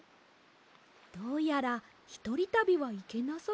どうやらひとりたびはいけなさそうです。